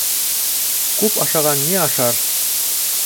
Күп ашаған ни ашар?